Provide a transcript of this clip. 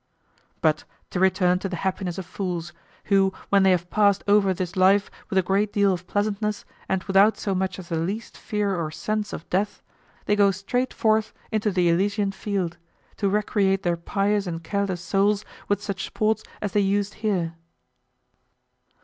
But to return to the happiness of fools, who when they have passed over this life with a great deal of pleasantness and without so much as the least fear or sense of death, they go straight forth into the Elysian field, to recreate their pious and careless souls with such sports as they used here.